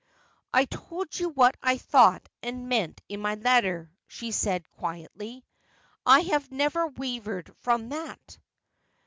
' I told you what I thought and meant in my letter,' she said quietly. ' I have never wavered from that.'